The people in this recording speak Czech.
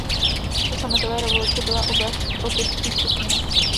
Po sametové revoluci byla oblast opět zpřístupněna.